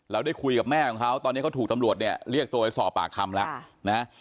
ได้คุยกับแม่ของเขาตอนนี้เขาถูกตำรวจเนี่ยเรียกตัวไปสอบปากคำแล้วนะ